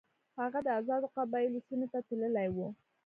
هغه د آزادو قبایلو سیمې ته تللی وو.